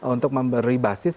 untuk memberi basis